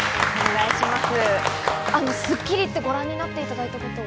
『スッキリ』って、ご覧になっていただいたこと。